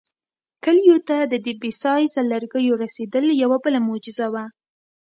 کلیو ته د دې بې سایزه لرګیو رسېدل یوه بله معجزه وه.